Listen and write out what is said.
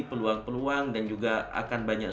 peluang peluang dan juga akan banyak